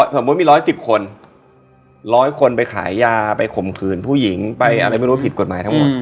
สมมุติมี๑๑๐คน๑๐๐คนไปขายยาไปข่มขืนผู้หญิงไปอะไรไม่รู้ผิดกฎหมายทั้งหมด